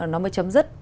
nó mới chấm dứt